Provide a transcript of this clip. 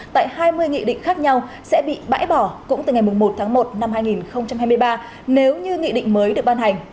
tại hai mươi nghị định khác nhau sẽ bị bãi bỏ cũng từ ngày một tháng một năm hai nghìn hai mươi ba nếu như nghị định mới được ban hành